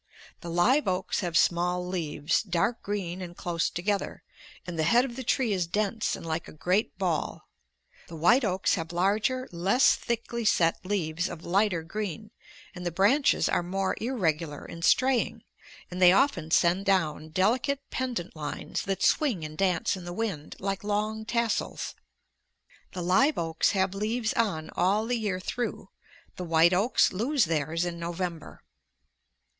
The live oaks have small leaves, dark green and close together, and the head of the tree is dense and like a great ball; the white oaks have larger, less thickly set leaves of lighter green, and the branches are more irregular and straying and they often send down delicate pendent lines that swing and dance in the wind like long tassels. The live oaks have leaves on all the year through; the white oaks lose theirs in November.